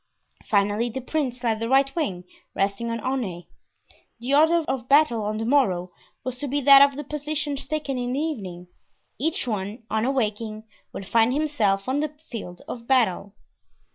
Finally, the prince led the right wing, resting on Aunay. The order of battle on the morrow was to be that of the positions taken in the evening. Each one, on awaking, would find himself on the field of battle.